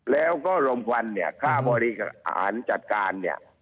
แล้วก็ลมควันเนี่ยค่าบริหารจัดการเนี่ย